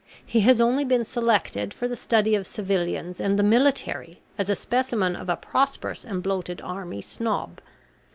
He has only been selected for the study of civilians and the military, as a specimen of a prosperous and bloated Army Snob.